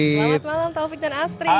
selamat malam taufik dan astri